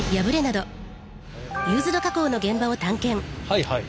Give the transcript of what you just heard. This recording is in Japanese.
はいはい。